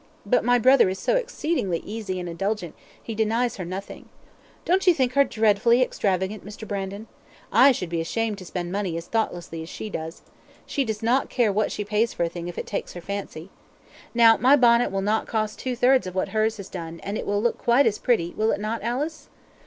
but my brother is so exceedingly easy and indulgent, he denies her nothing. Don't you think her dreadfully extravagant, Mr. Brandon? I should be ashamed to spend money as thoughtlessly as she does. She does not care what she pays for a thing if it takes her fancy. Now, my bonnet will not cost two thirds of what hers has done, and it will look quite as pretty, will it not, Alice?"